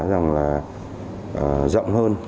rằng là rộng hơn